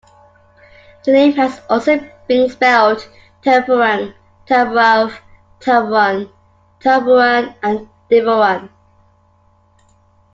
The name has also been spelled "Tefurang", "Tefurangh", "Tevoran", "Tevourang", and "Devoran".